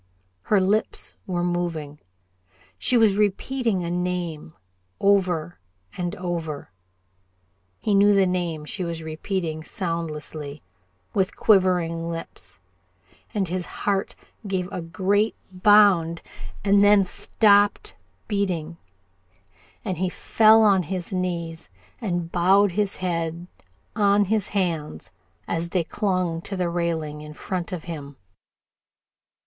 Her lips were moving. She was repeating a name over and over. He knew the name she was repeating soundlessly, with quivering lips, and his heart gave a great bound and then stopped beating, and he fell upon his knees and bowed his head on his hands as they clung to the railing in front of him.